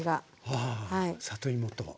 ああ里芋と。